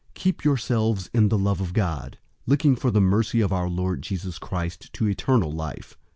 001:021 Keep yourselves in the love of God, looking for the mercy of our Lord Jesus Christ to eternal life.